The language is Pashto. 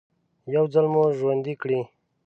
يو ځل مو ژوندي کړي.